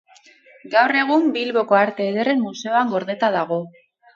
Gaur egun Bilboko Arte Ederren Museoan gordeta dago.